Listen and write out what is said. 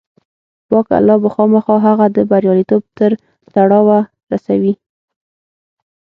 پاک الله به خامخا هغه د برياليتوب تر پړاوه رسوي.